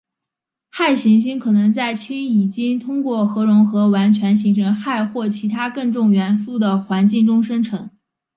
氦行星可能在氢已经通过核融合完全形成氦或其它更重元素的环境中生成。